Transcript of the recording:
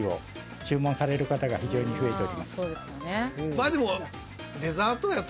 まあでも。